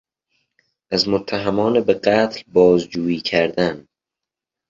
از متهمان به قتل بازجویی کردن